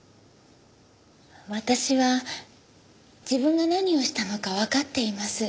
私は自分が何をしたのかわかっています。